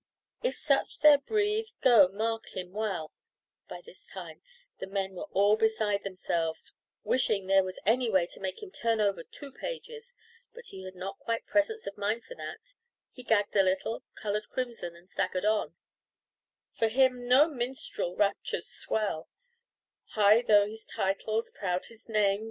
If such there breathe, go, mark him well " By this time the men were all beside themselves, wishing there was any way to make him turn over two pages; but he had not quite presence of mind for that; he gagged a little, coloured crimson, and staggered on "For him no minstrel raptures swell; High though his titles, proud his name.